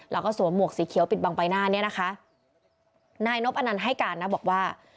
แล้วก็สวมหมวกสีเขียวปิดบังใบหน้าเนี้ยนะคะนายนบอนันต์ให้การนะบอกว่า